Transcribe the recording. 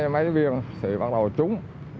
mấy viên thì bắt đầu trúng